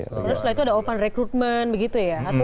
kemudian setelah itu ada open recruitment begitu ya